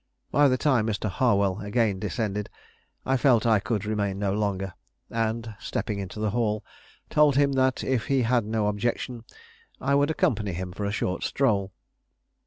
By the time Mr. Harwell again descended, I felt I could remain no longer, and, stepping into the hall, told him that if he had no objection I would accompany him for a short stroll.